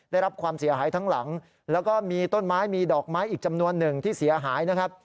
ได้รับความเสียหายทั้งหลังแล้วก็มีต้นไม้มีดอกไม้อีกจำนวนหนึ่งที่เสียหายนะครับ